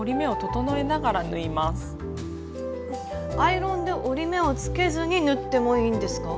アイロンで折り目をつけずに縫ってもいいんですか？